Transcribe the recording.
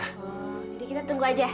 oh jadi kita tunggu aja